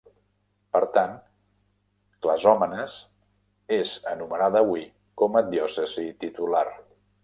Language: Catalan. Per tant, Clazòmenes és enumerada avui com a diòcesi titular.